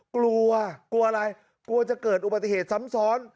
กลัวกลัวอะไรกลัวจะเกิดอุบัติเหตุซ้ำซ้อน